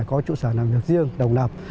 có chủ sở làm việc riêng đồng lập